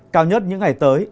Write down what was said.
cao nhất những ngày tới